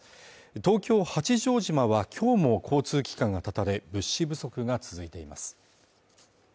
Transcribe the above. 東京・八丈島は今日も交通機関が絶たれ物資不足が続いています